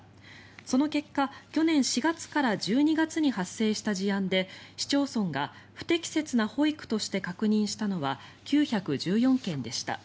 その結果、去年４月から１２月に発生した事案で市町村が不適切な保育として確認したのは９１４件でした。